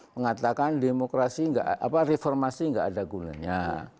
mengatakan reformasi tidak ada gunanya